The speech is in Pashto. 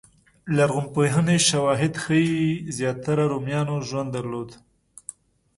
لرغونپوهنې شواهد ښيي زیاتره رومیانو ژوند درلود